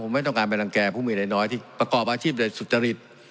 ไม่ต้องการไปรังแก่ผู้มีอะไรน้อยที่ประกอบอาชีพโดยสุจริต